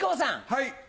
はい。